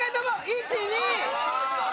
１２。